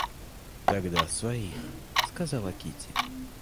Тогда своих... — сказала Кити.